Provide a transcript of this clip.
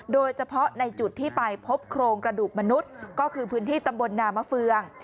โดยเฉพาะในจุดที่ไปพบโครงกระดูกมนุษย์ก็คือพื้นที่ตำบลนามเฟือง